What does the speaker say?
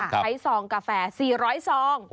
ซองกาแฟ๔๐๐ซอง